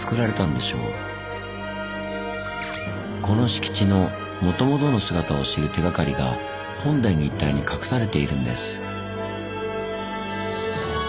この敷地のもともとの姿を知る手がかりが本殿一帯に隠されているんです。